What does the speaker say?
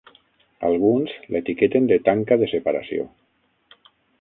Alguns l'etiqueten de tanca de separació.